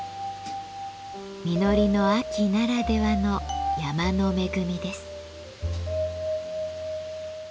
実りの秋ならではの山の恵みです。